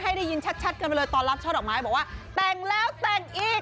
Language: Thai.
ได้ยินชัดกันไปเลยตอนรับช่อดอกไม้บอกว่าแต่งแล้วแต่งอีก